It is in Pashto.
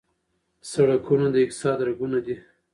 سرکونه د اقتصاد رګونه دي.